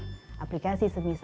jadi apakah ini bisa menjadi kreatif